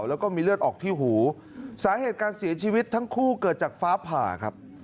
แล้วก็มีเลือดออกที่หูสาเหตุการเสียชีวิตทั้งคู่เกิดจากฟ้าผ่าครับ